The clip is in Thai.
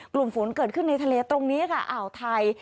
กลุ่มฝนเกิดขึ้นในทะเลตรงนี้ค่ะอ่าวไทย